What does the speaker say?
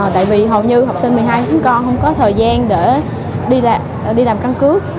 tại vì hầu như học sinh một mươi hai con không có thời gian để đi làm căn cứ